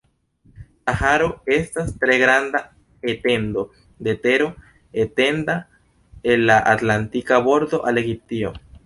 Saharo estas tre granda etendo de tero etenda el la Atlantika bordo al Egiptio.